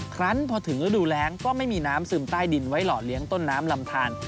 ครั้งพอถึงฤดูแรงก็ไม่มีน้ำซึมใต้ดินไว้หล่อเลี้ยงต้นน้ำลำทาน